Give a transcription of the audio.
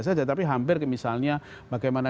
saja tapi hampir ke misalnya bagaimana